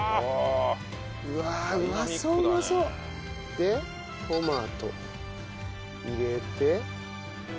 でトマト入れて。